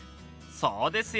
そうですよ！